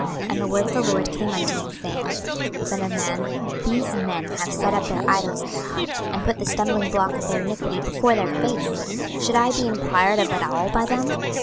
26:014:002 And the word of the LORD came unto me, saying, 26:014:003 Son of man, these men have set up their idols in their heart, and put the stumblingblock of their iniquity before their face: should I be enquired of at all by them?